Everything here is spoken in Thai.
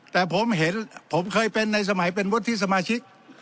แต่ผมเห็นผมเคยเป็นในสมัยเป็นวุฒิสมาชิก